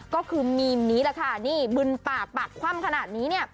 ก็คือมีมนี้แหละค่ะนี่บึนปากปากคว่ำขนาดนี้เนี่ย